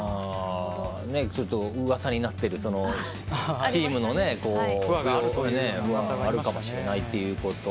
ちょっと、うわさになってるチームの不和があるかもしれないという。